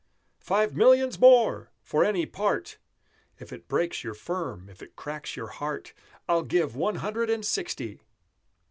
"Five millions more! for any part (If it breaks your firm, if it cracks your heart), I'll give One Hundred and Sixty!"